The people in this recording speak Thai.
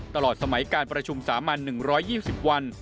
ตลอดสมัยการประชุมสามัญ๑๒๐วัน